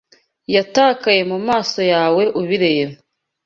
Yatakaye mu maso yawe ubireba